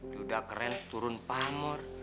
duda keren turun pamur